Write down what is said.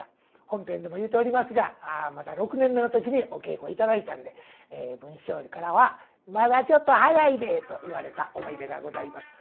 本編でも言うておりますがまだ６年目の時にお稽古頂いたんで文枝師匠からは「まだちょっと早いで」と言われた思い出がございます。